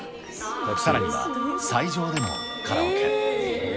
さらには斎場でもカラオケ。